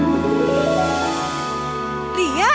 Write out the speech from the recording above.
masa udah siap